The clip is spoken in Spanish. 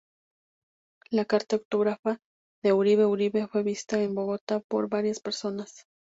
La carta autógrafa de Uribe Uribe fue vista en Bogotá por varias personas.